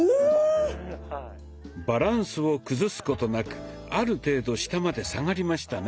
バランスを崩すことなくある程度下まで下がりましたね。